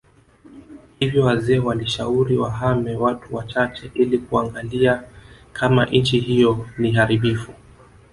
Hivyo wazee walishauri wahame watu wachache ili kuangalia kama nchii hiyo ni haribifu